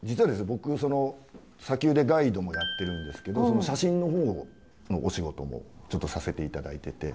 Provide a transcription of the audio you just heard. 僕砂丘でガイドもやってるんですけど写真のほうのお仕事もちょっとさせて頂いてて。